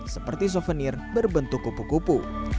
seperti souvenir berbentuk kupu kupu